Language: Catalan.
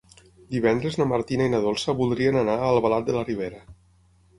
Divendres na Martina i na Dolça voldrien anar a Albalat de la Ribera.